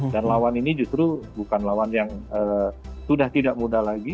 dan lawan ini justru bukan lawan yang sudah tidak muda lagi